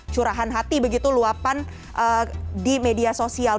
curahan hati begitu luapan di media sosial